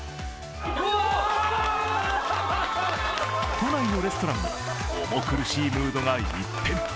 都内レストランも重苦しいムードが一変。